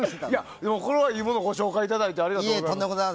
でもこれはいいものをご紹介いただいてありがとうございます。